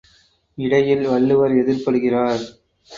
இடையில் வள்ளுவர் எதிர்ப்படுகிறார்.